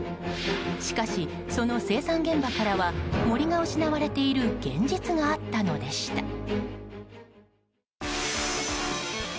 しかし、その生産現場からは森が失われている現実があったのでした。